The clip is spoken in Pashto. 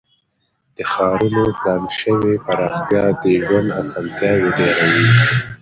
د ښارونو پلان شوې پراختیا د ژوند اسانتیاوې ډیروي.